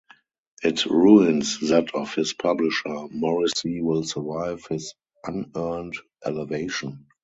It ruins that of his publisher... Morrissey will survive his unearned elevation.